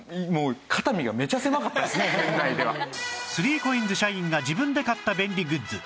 ３ＣＯＩＮＳ 社員が自分で買った便利グッズ